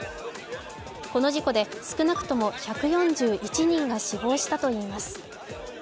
この事故で少なくとも１４１人が死亡したといいます。